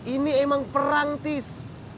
ini emang perang tis